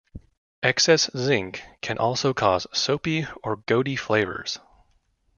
Excess zinc can also cause soapy or goaty flavors.